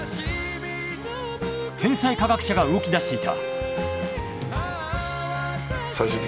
天才科学者が動き出していた。